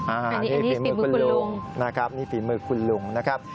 อันนี้ฝีมือคุณลุงนะครับนี่ฝีมือคุณลุงนะครับ